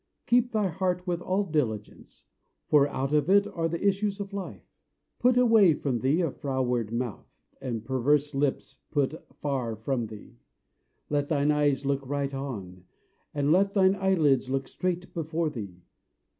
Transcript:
Keep thy heart with all diligence; for out of it are the issues of life. Put away from thee a froward mouth, and perverse lips put far from thee. Let thine eyes look right on, and let thine eyelids look straight before thee.